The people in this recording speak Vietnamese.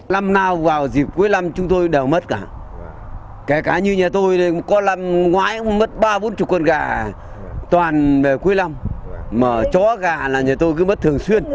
lâm nào vào dịp cuối lâm chúng tôi đều mất cả kể cả như nhà tôi có làm ngoái mất ba bốn mươi con gà toàn về cuối lâm mà chó gà là nhà tôi cứ mất thường xuyên